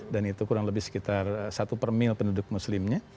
dan itu kurang lebih sekitar satu per mil penduduk muslimnya